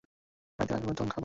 আরেক দিন যখন আসব, তখন খাব।